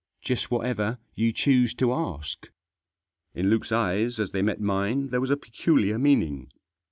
" Just whatever you choose to ask." In Luke's eyes, as they met mine, there was a peculiar meaning.